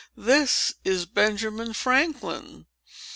"This is Benjamin Franklin!